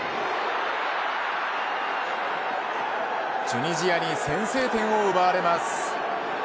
チュニジアに先制点を奪われます。